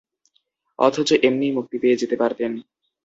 অথচ এমনিই মুক্তি পেয়ে যেতে পারতেন।